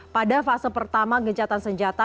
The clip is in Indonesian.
pada fase pertama gencatan senjata